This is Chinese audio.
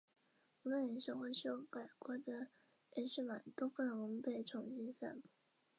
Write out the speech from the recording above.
无论原始的或修改过的原始码都不能被重新散布。